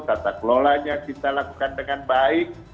tata kelolanya kita lakukan dengan baik